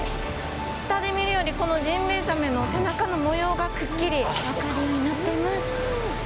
下で見るよりこのジンベエザメの背中の模様がくっきり分かるようになっています。